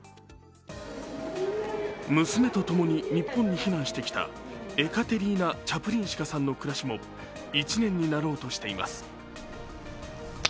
娘とともに日本に避難してきたエカテリーナ・チャプリンシカさんの暮らしも、１年になろうとしています。